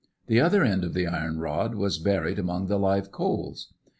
The other end of the iron rod was buried among the live coals.